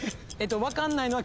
分かんないのは。